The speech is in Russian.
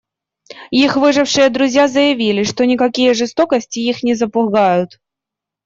Их выжившие друзья заявили, что никакие жестокости их не запугают.